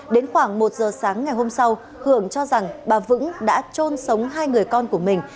đến khoảng một giờ sáng ngày hôm sau hưởng cho rằng bà vững đã trôn sống hai người con của mình